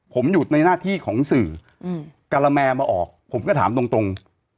ผมอยู่ในหน้าที่ของสื่อการะแมมาออกผมก็ถามตรง